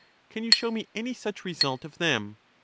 Can you show me any such result of them?